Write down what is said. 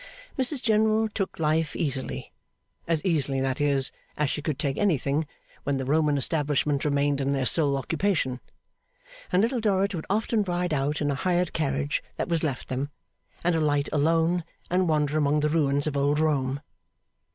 Mrs General took life easily as easily, that is, as she could take anything when the Roman establishment remained in their sole occupation; and Little Dorrit would often ride out in a hired carriage that was left them, and alight alone and wander among the ruins of old Rome.